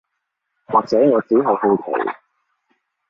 或者我只係好奇